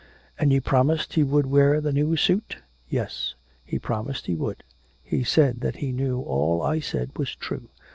'And he promised he would wear the new suit?' 'Yes; he promised he would. He said that he knew all I said was true.